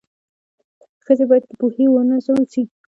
ښځي بايد په پوهي و نازول سي